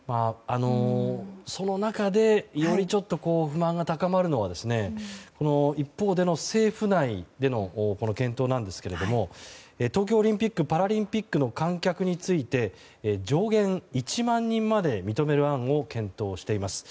その中でより不満が高まるのは一方での政府内での検討なんですけれども東京オリンピック・パラリンピックの観客について上限１万人まで認める案を検討しています。